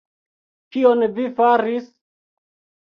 Kion vi faris?